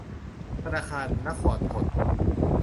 ธนาคารนครธน